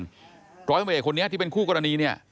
ตรวจตำรวจแห่งคนนี้ที่เป็นคู่กรณีเนี่ย